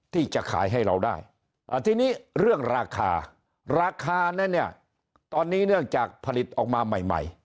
ที่จะขายให้เราได้ทีนี้เรื่องราคาราคานั้นเนี่ยตอนนี้เนื่องจากผลิตออกมาใหม่